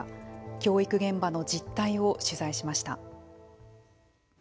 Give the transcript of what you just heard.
教育現場の実態を取材しました。